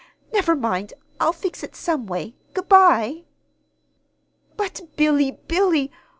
Never mind. I'll fix it some way. Good by!" "But, Billy, Billy!